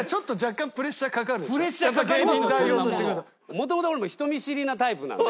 もともと俺も人見知りなタイプなので。